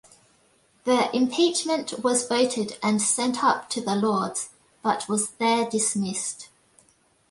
The impeachment was voted and sent up to the Lords, but was there dismissed.